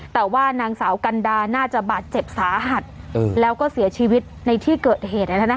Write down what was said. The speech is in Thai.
แต่ว่านางสาวกันดาน่าจะบาดเจ็บสาหัสแล้วก็เสียชีวิตในที่เกิดเหตุ